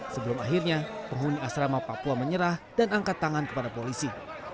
sebelum akhirnya penghuni asrama papua menyerah dan angkat tangan kepada polisi